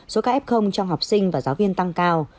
số các f trong học sinh và giáo viên tăng cao